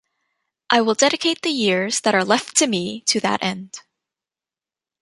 I will dedicate the years that are left to me to that end.